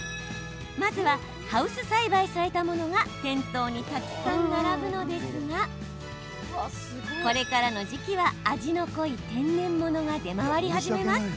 まずはハウス栽培されたものが店頭にたくさん並ぶのですがこれからの時期は味の濃い天然物が出回り始めます。